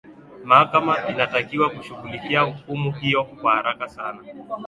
mahakama inatakiwa kushughulikia hukumu hiyo kwa haraka sana